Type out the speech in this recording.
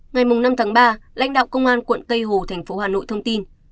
ngày năm tháng ba lãnh đạo công an quận tây hồ thành phố hà nội thông tin